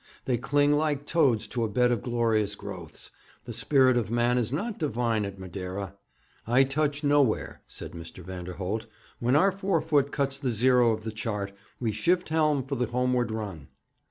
They cling like toads to a bed of glorious growths. The spirit of man is not divine at Madeira.' 'I touch nowhere,' said Mr. Vanderholt. 'When our forefoot cuts the zero of the chart, we shift helm for the homeward run.'